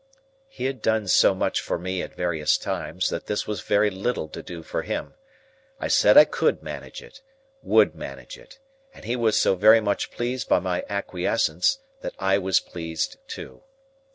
He had done so much for me at various times, that this was very little to do for him. I said I could manage it,—would manage it,—and he was so very much pleased by my acquiescence, that I was pleased too.